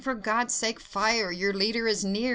for God's sake fire! your leader is near!